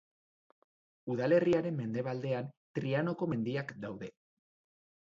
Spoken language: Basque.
Udalerriaren mendebaldean Trianoko mendiak daude.